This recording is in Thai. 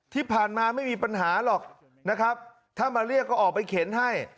ที่ผ่านมาไม่มีปัญหาหรอกนะครับถ้ามาเรียกก็ออกไปเข็นให้